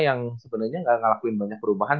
yang sebenernya gak ngelakuin banyak perubahan